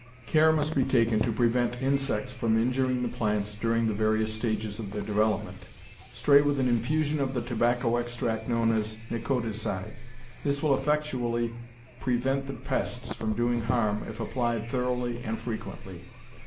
Care must be taken to prevent insects from injuring the plants during the various stages of their development. Spray with an infusion of the tobacco extract known as Nicoticide. This will effectually prevent the pests from doing harm if applied thoroughly and frequently.